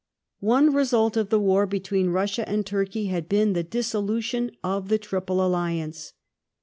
One result of the war between Russia and Turkey had been the dissolution of the trij)le alliance.